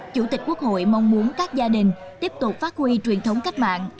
chủ tịch quốc hội mong muốn các gia đình tiếp tục phát huy truyền thống cách mạng